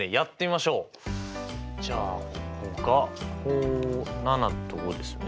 じゃあここが７と５ですよね。